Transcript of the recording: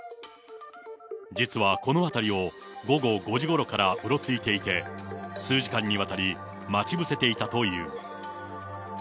実はこの辺りを午後５時ごろからうろついていて、数時間にわたり、待ち伏せていたという。